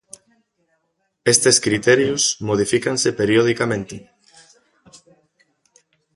Estes criterios modifícanse periodicamente.